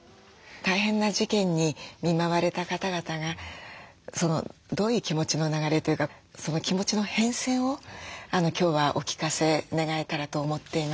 大変な事件に見舞われた方々がどういう気持ちの流れというか気持ちの変遷を今日はお聞かせ願えたらと思っています。